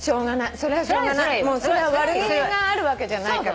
それは悪気があるわけじゃないから。